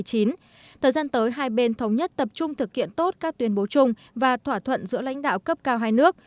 thời gian tới hai bên thống nhất tập trung thực hiện tốt các tuyên bố chung và thỏa thuận giữa lãnh đạo cấp cao hai nước